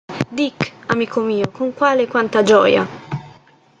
Dick, amico mio, con quale e quanta gioia!